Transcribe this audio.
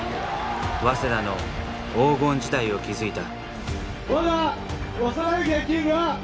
早稲田の黄金時代を築いた。